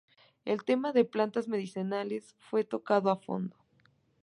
El tema de plantas medicinales fue tocado a fondo.